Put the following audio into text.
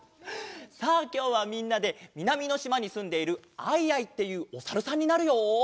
さあきょうはみんなでみなみのしまにすんでいる「アイアイ」っていうおさるさんになるよ。